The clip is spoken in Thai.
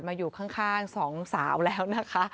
อยู่ข้างสองสาวแล้วนะคะ